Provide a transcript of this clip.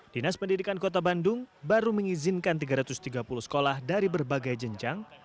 dinas pendidikan kota bandung baru mengizinkan tiga ratus tiga puluh sekolah dari berbagai jenjang